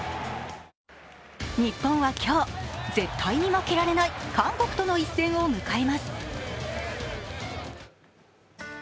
日本は今日、絶対に負けられない韓国との一戦を迎えます。